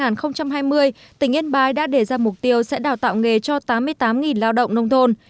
giai đoạn hai nghìn một mươi sáu hai nghìn hai mươi tỉnh yên bái đã đề ra mục tiêu sẽ đào tạo nghề cho tám mươi tám lao động nông thôn